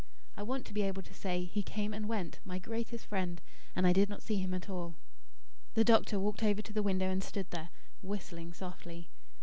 I want to be able to say: 'He came and went, my greatest friend, and I did not see him at all.'" The doctor walked over to the window and stood there, whistling softly.